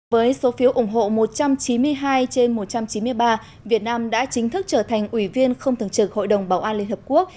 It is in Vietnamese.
với số phiếu ủng hộ một trăm chín mươi hai trên một trăm chín mươi ba việt nam đã chính thức trở thành ủy viên không thường trực hội đồng bảo an liên hợp quốc